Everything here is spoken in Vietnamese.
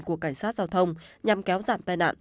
của cảnh sát giao thông nhằm kéo giảm tai nạn